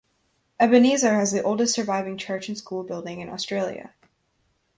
Ebenezer has the oldest surviving church and school building in Australia.